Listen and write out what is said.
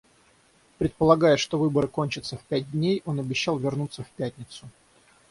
Предполагая, что выборы кончатся в пять дней, он обещал вернуться в пятницу.